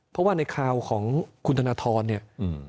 เพราะว่าในข่าวของคุณธนทรเนี่ย